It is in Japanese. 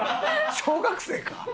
小学生か！